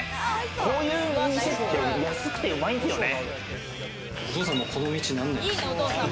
こういうお店って安くてうまいんすよね。